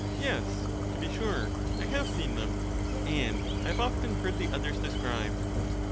Yes, to be sure, I have seen them, and I have often heard the others described.